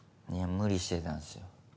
無理してたんすよ。